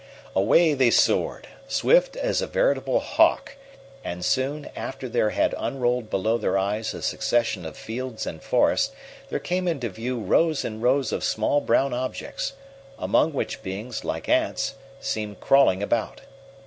Away they soared, swift as a veritable hawk, and soon, after there had unrolled below their eyes a succession of fields and forest, there came into view rows and rows of small brown objects, among which beings, like ants, seemed crawling about.